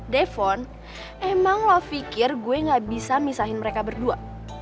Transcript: defon emang lo pikir gue gak bisa misahin mereka berdua